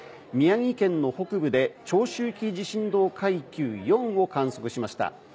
宮城県の北部で長周期地震動階級４を観測しました。